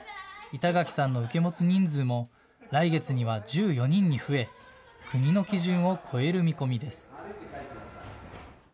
板垣さんの受け持つ人数も来月には１４人に増え国の基準を超える見込みです。